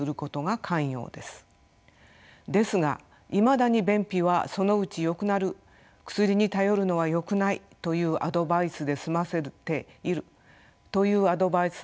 ですがいまだに便秘はそのうちよくなる薬に頼るのはよくないというアドバイスで済ませている方が小児科医にすら少なくありません。